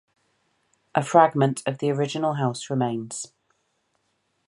A fragment of the original house remains.